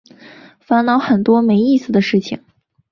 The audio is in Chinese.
烦恼很多没意思的事情